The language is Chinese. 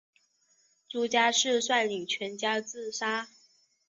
朱家仕率领全家自杀。